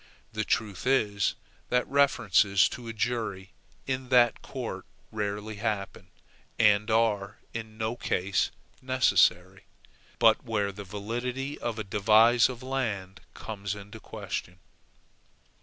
The truth is, that references to a jury in that court rarely happen, and are in no case necessary but where the validity of a devise of land comes into question.